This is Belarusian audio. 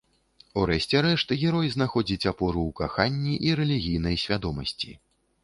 У рэшце рэшт, герой знаходзіць апору ў каханні і рэлігійнай свядомасці.